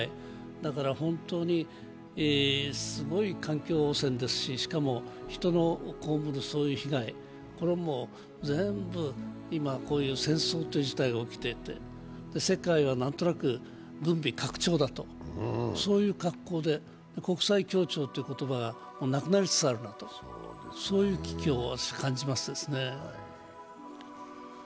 だから、本当にすごい環境汚染ですし、しかも人の被るそういう被害、これも全部、今、こういう戦争という事態が起きていて世界は何となく軍備拡張だと、そういう格好で、国際協調という言葉がなくなりつつあるなという危機を私は感じます。